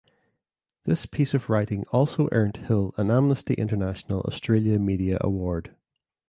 This piece of writing also earnt Hill an Amnesty International Australia Media Award.